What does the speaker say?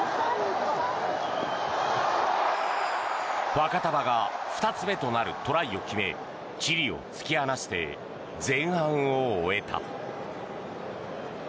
ファカタヴァが２つ目となるトライを決めチリを突き放して前半を終えた。